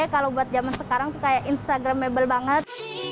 kalau buat zaman sekarang tuh kayak instagramable banget